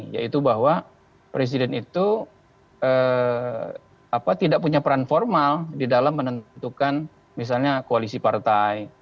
yaitu bahwa presiden itu tidak punya peran formal di dalam menentukan misalnya koalisi partai